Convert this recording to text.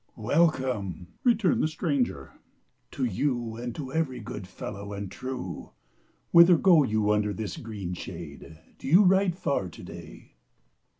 "Welcome," returned the stranger, "to you and to every good fellow and true. Whither go you under this green shade? Do you ride far to day